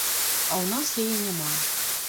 А ў нас яе няма.